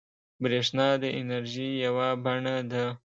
برېښنا د انرژۍ یوه بڼه ده.